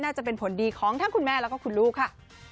จะเป็นผลดีของทั้งคุณแม่แล้วก็คุณลูกค่ะ